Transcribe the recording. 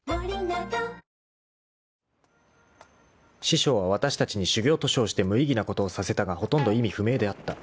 ［師匠はわたしたちに修行と称して無意義なことをさせたがほとんど意味不明であった］